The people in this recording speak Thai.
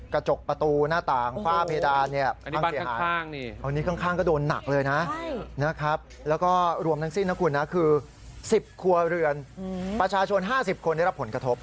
กระจกประตูหน้าต่างฝ้าเพดานเนี่ยพังเสียหายตรงนี้ข้างก็โดนหนักเลยนะนะครับแล้วก็รวมทั้งสิ้นนะคุณนะคือ๑๐ครัวเรือนประชาชน๕๐คนได้รับผลกระทบ